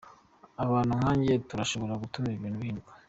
Abantu nkanje turashobora gutuma ibintu bihinduka.